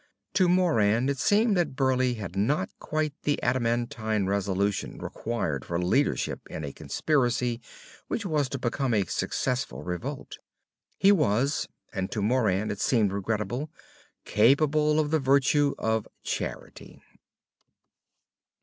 To Moran, it seemed that Burleigh had not quite the adamantine resolution required for leadership in a conspiracy which was to become a successful revolt. He was and to Moran it seemed regrettable capable of the virtue of charity.